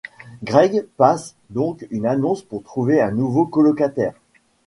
Greg passe donc une annonce pour trouver un nouveau colocataire.